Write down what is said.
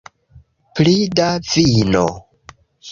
Pli da vino